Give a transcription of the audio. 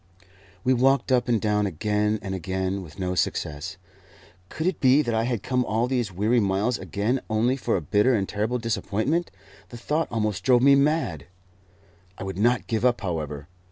We walked up and down again and again, with no success. Could it be that I had come all these weary miles again only for a bitter and terrible disappointment? The thought almost drove me mad. I would not give up, however!